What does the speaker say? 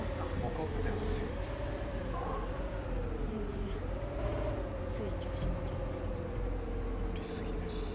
怒ってませんすいませんつい調子乗っちゃって乗りすぎです